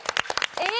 えっ？